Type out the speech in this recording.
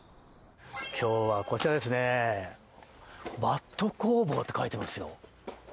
今日は、こちらですねバット工房って書いてますよ。